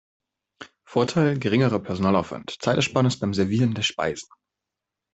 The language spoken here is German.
Vorteil: geringerer Personalaufwand, Zeitersparnis beim Servieren der Speisen.